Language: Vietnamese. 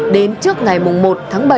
đến trước ngày một tháng bảy